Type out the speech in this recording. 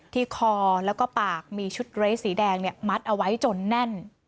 ที่คอแล้วก็ปากมีชุดเรสสีแดงมัดเอาไว้จนแน่น